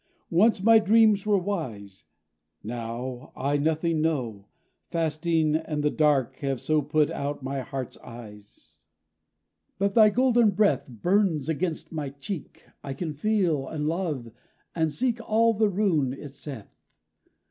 Once my dreams were wise. Now I nothing know; Fasting and the dark have so put out my heart's eyes. But thy golden breath Burns against my cheek. I can feel and love, and seek all the rune it saith.